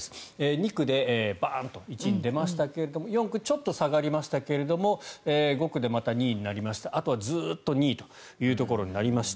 ２区でバンと１位に出ましたけど４区、ちょっと下がりましたが５区でまた２位になりましてあとはずっと２位というところになりました。